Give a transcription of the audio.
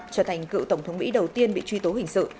trở thành cựu tổng thống mỹ đầu tiên bị truy tố hình sự